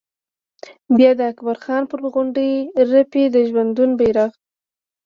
بیا د اکبر خان پر غونډۍ رپي د ژوندون بيرغ